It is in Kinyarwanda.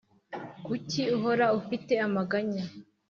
Kuki uhora ufite amaganya